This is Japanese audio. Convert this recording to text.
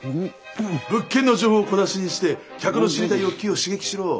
物件の情報を小出しにして客の知りたい欲求を刺激しろ！